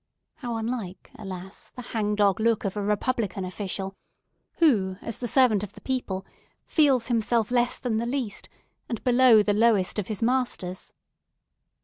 How unlike alas the hangdog look of a republican official, who, as the servant of the people, feels himself less than the least, and below the lowest of his masters.